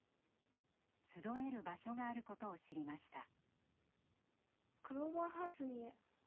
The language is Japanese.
集える場所があることを知りました。